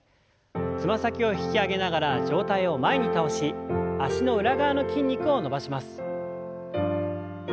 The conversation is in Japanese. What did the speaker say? つま先を引き上げながら上体を前に倒し脚の裏側の筋肉を伸ばします。